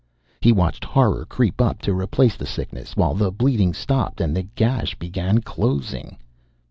He watched horror creep up to replace the sickness while the bleeding stopped and the gash began closing.